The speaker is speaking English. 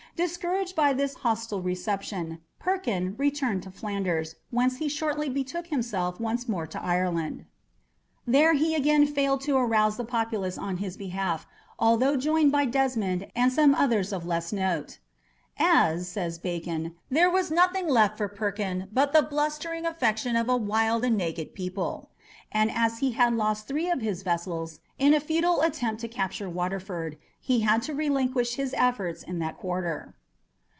Discouraged by this hostile reception, "Perkin" returned to Flanders, whence he shortly betook himself once more to Ireland. There he again failed to arouse the populace on his behalf, although joined by Desmond and some others of less note. "As," says Bacon, "there was nothing left for Perkin but the blustering affection of wild and naked people," and as he had lost three of his vessels in a futile attempt to capture Waterford, he had to relinquish his efforts in that quarter.